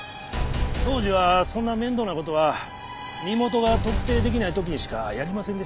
当時はそんな面倒な事は身元が特定できない時にしかやりませんでしたから。